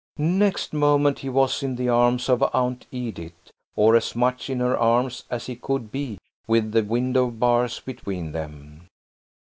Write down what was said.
Next moment he was in the arms of Aunt Edith, or as much in her arms as he could be with the window bars between them.